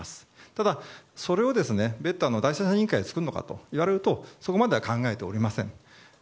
ただ、それを別途に第三者委員会を作るのかといわれるとそこまでは考えておりません。